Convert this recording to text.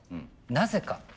なぜか？